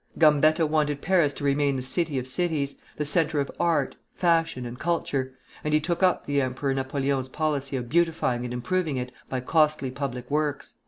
Gambetta wanted Paris to remain the city of cities, the centre of art, fashion, and culture; and he took up the Emperor Napoleon's policy of beautifying and improving it by costly public works.